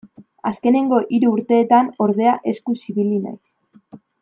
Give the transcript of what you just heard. Azkenengo hiru urtetan, ordea, eskuz ibili naiz.